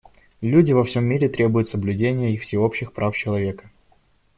Люди во всем мире требуют соблюдения их всеобщих прав человека.